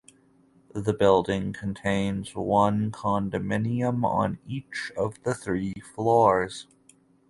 The building contains one condominium on each of the three floors.